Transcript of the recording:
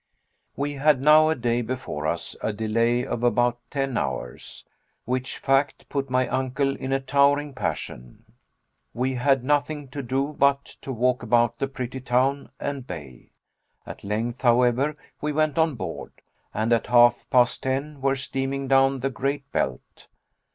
We had now a day before us, a delay of about ten hours. Which fact put my uncle in a towering passion. We had nothing to do but to walk about the pretty town and bay. At length, however, we went on board, and at half past ten were steaming down the Great Belt.